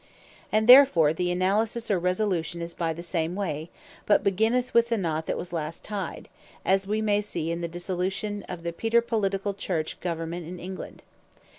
And therefore the Analysis, or Resolution is by the same way; but beginning with the knot that was last tyed; as wee may see in the dissolution of the praeterpoliticall Church Government in England.